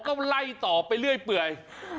ก็ไล่ต่อไปเรื่อย